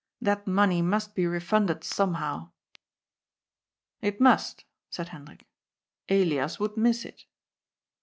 That money must be re funded somehow." *' It must," said Hendrik. " Elias would miss it."